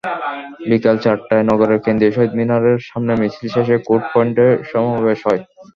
বিকেল চারটায় নগরের কেন্দ্রীয় শহীদ মিনারের সামনে মিছিল শেষে কোর্ট পয়েন্টে সমাবেশ হয়।